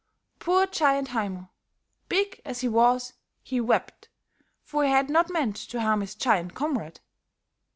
Poor giant Haymo. Big as he was, he wept, for he had not meant to harm his giant comrade.